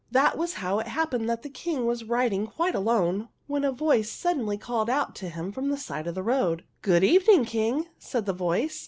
That was how it happened that the King was riding quite alone, when a voice suddenly called out to him from the side of the road. "Good evening, King!" said the voice.